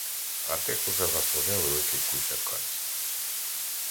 А тих уже заслонив великий кущ акації.